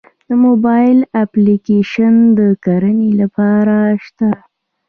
د موبایل اپلیکیشن د کرنې لپاره شته؟